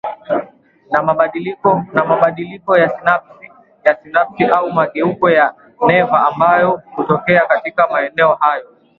na mabadiliko ya sinapsi au mageuko ya neva ambayo hutokea katika maeneo hayo